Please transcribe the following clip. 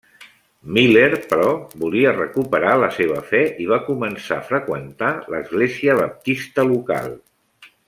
Miller, però, volia recuperar la seva fe i va començar a freqüentar l'església Baptista local.